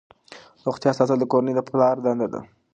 روغتیا ساتل د کورنۍ د پلار دنده ده.